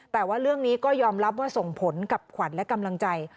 แต่ว่าเรื่องนี้ก็ยอมรับว่าส่งผลกับขวัญและกำลังใจ